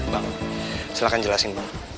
bang silahkan jelasin